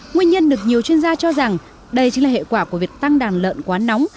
nguyên nhân được nhiều chuyên gia cho rằng đây chính là hệ quả của việc tăng đàn lợn quá nóng